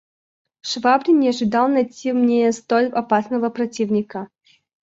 Швабрин не ожидал найти во мне столь опасного противника.